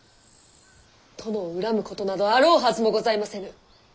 殿を恨むことなどあろうはずもございませぬ。